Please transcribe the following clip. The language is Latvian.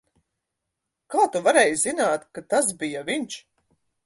Kā tu varēji zināt, ka tas bija viņš?